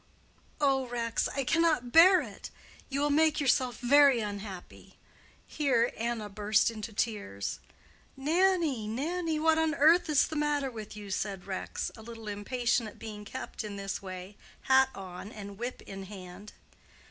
"Oh Rex, I cannot bear it. You will make yourself very unhappy." Here Anna burst into tears. "Nannie, Nannie, what on earth is the matter with you?" said Rex, a little impatient at being kept in this way, hat on and whip in hand.